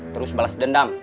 terus balas dendam